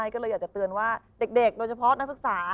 ก็เลยอยากจะเตือนว่าเด็กโดยเฉพาะนักศึกษา